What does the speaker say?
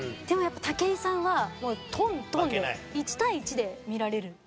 でもやっぱり武井さんはもうトントンで１対１で見られる。